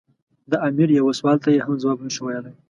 د امیر یوه سوال ته یې هم ځواب نه شو ویلای.